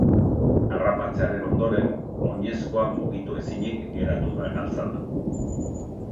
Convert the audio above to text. Harrapatzearen ondoren, oinezkoa mugitu ezinik geratu da galtzadan.